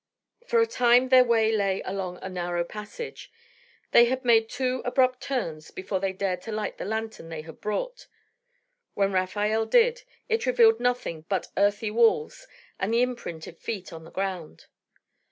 For a time their way lay along a narrow passage. They had made two abrupt turns before they dared to light the lantern they had brought. When Rafael did, it revealed nothing but earthy walls and the imprint of feet on the ground.